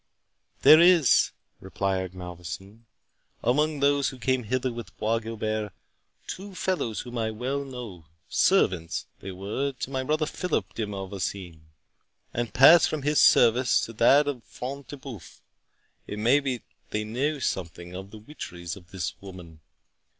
"There is," replied Malvoisin, "among those who came hither with Bois Guilbert, two fellows whom I well know; servants they were to my brother Philip de Malvoisin, and passed from his service to that of Front de Bœuf—It may be they know something of the witcheries of this woman."